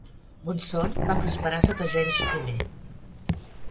Monson va prosperar sota James I.